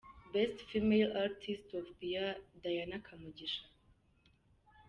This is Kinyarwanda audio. Best Female artist of the year: Diana Kamugisha.